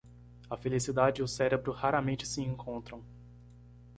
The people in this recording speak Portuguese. A felicidade e o cérebro raramente se encontram.